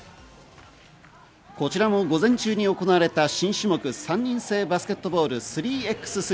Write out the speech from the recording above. こちらも午前中に行われた新種目、３人制バスケットボール３ｘ３。